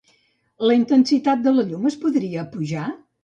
La intensitat de la llum es podria pujar?